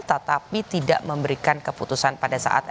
tetapi tidak memberikan keputusan pada saat